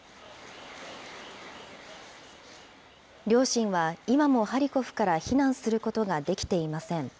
両親は今もハリコフから避難することができていません。